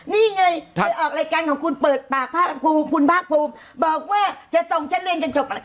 นี่ไงเธอออกรายการของคุณเปิดปากพากภูมิบอกว่าจะส่งฉันเรียนจนจบ